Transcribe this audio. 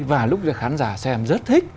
và lúc đó khán giả xem rất thích